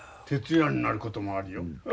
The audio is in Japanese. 徹夜になることもあるよ。